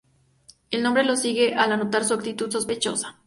El hombre lo sigue al notar su actitud sospechosa.